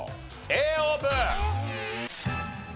Ａオープン！